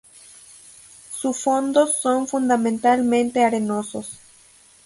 Su fondos son fundamentalmente arenosos.